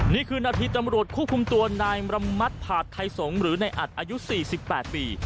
นี่คือนาทีตำรวจควบคุมตัวนายมรำมัติผาดไทยสงศ์หรือในอัดอายุ๔๘ปี